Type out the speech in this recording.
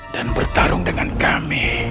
dan bertarung dengan kami